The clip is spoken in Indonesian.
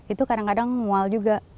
itu kadang kadang mual juga